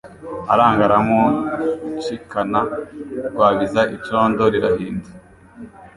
aranga aramunshikana; Rwabiza icondo rirahinda